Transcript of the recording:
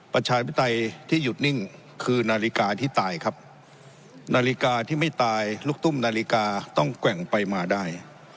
ประชาธิปไตยที่หยุดนิ่งคือนาฬิกาที่ตายครับนาฬิกาที่ไม่ตายลูกตุ้มนาฬิกาต้องแกว่งไปมาได้